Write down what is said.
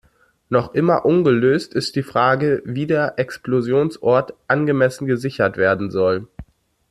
Noch immer ungelöst ist die Frage, wie der Explosionsort angemessen gesichert werden soll.